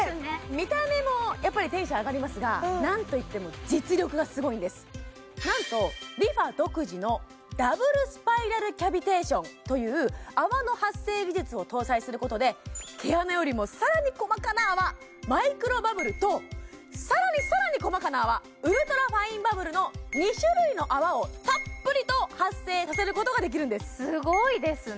見た目もやっぱりテンション上がりますが何といっても実力がすごいんです何とＲｅＦａ独自のダブルスパイラルキャビテーションという泡の発生技術を搭載することで毛穴よりもさらに細かな泡マイクロバブルとさらにさらに細かな泡ウルトラファインバブルの２種類の泡をたっぷりと発生させることができるんですすごいですね